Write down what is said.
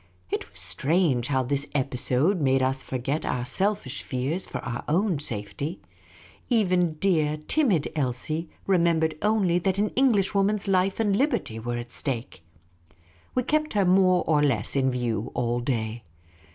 It was strange how this episode made us forget our selfish fears for our own safety. Even dear, timid Elsie remembered only that an .Englishwoman's life and liberty were at stake. We kept her more or less in view all day.